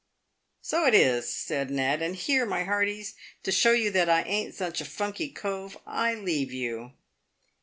" So it is," said Ned. " And here, my hearties, to show you that I ain't such a funky covej I leave you."